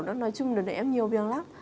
nói chung là em nhiều việc lắm